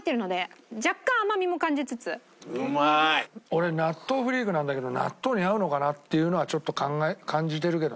俺納豆フリークなんだけど納豆に合うのかな？っていうのはちょっと感じてるけどね。